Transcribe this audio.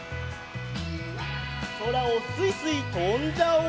そらをすいすいとんじゃおう。